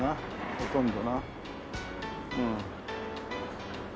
ほとんどなうん。